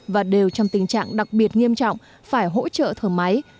và đều trong tình trạng đặc biệt nghiêm trọng phải hỗ trợ thở máy